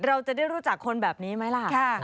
เราจะได้รู้จักคนแบบนี้ไหมล่ะ